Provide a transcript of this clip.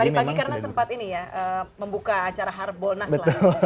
tadi pagi karena sempat ini ya membuka acara harbolnas lah